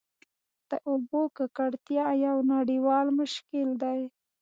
د اوبو ککړتیا یو نړیوال مشکل دی.